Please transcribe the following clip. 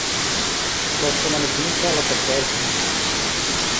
বর্তমানে তিনি পলাতক রয়েছেন।